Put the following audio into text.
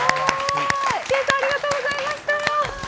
Ｋａｙさんありがとうございました。